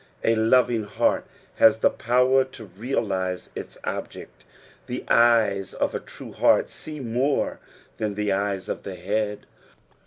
A loving heart has the power to realise its object. The eyes of a true heart see more than the eyes of the head.